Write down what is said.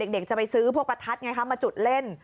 เด็กจะไปซื้อพวกประทัดไงคะมาจุดเล่น